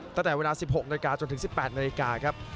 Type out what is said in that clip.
ตั้งแต่เวลา๑๖นาทีจนถึง๑๘นาทีครับ